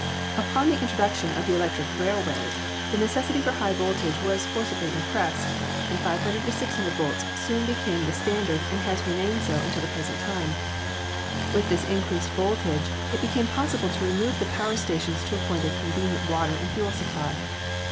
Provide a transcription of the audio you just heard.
Upon the introduction of the electric railway, the ne cessity for high voltage was forcibly impressed, and 500 600 volts soon became standard and has remained so un POWER TRANSMISSION 215 til the present time. With this increased voltage it be came possible to remove the power station to a point of convenient water and fuel supply.